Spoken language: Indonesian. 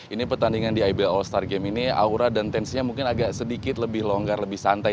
ini pertandingan di ibl all star game ini aura dan tensinya mungkin agak sedikit lebih longgar lebih santai